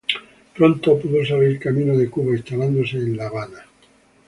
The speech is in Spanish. Pronto pudo salir camino de Cuba, instalándose en La Habana.